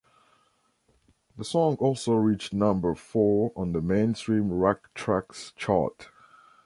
The song also reached number four on the Mainstream Rock Tracks chart.